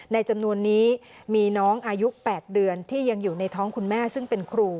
จำนวนนี้มีน้องอายุ๘เดือนที่ยังอยู่ในท้องคุณแม่ซึ่งเป็นครู